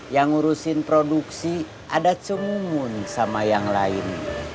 yang ngurusin produksi ada cemungun sama yang lain